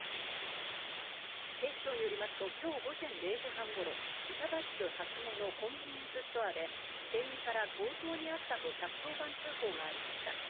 警視庁によりますと今日午前０時半頃、板橋区蓮根のコンビニエンスストアで、店員から強盗にあったと１１０番通報がありました。